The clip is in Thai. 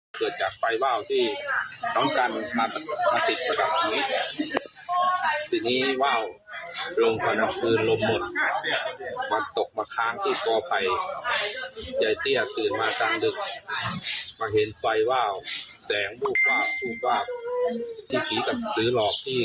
เหงือขีดบอลไฟเฉยก็จะเวลาเขาคอมการนึก